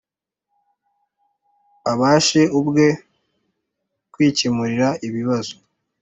Abashe ubwe kwikemurira ibibazo